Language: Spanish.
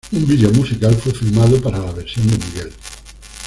Un video musical fue filmado para la versión de Miguel.